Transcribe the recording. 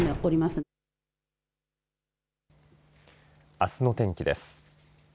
あすの天気です。